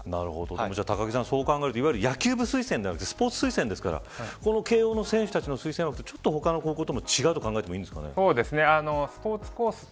でも高木さん、そう考えると野球部推薦ではなくてスポーツ推薦ですから慶応の選手の推薦枠は他の高校と違うと考えていいんですかね。